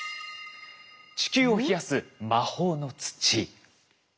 「地球を冷やす魔法の土！」。